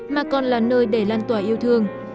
mà còn là nơi để lan tỏa yêu thương